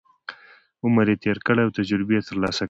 عمر یې تېر کړی او تجربې یې ترلاسه کړي.